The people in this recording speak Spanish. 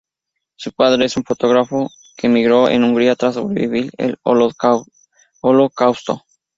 Su padre es un fotógrafo que emigró de Hungría, tras sobrevivir el Holocausto.